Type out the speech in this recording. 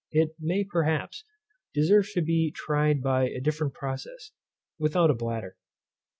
It may, perhaps, deserve to be tried by a different process, without a bladder.